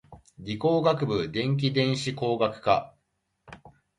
理工学部電気電子工学科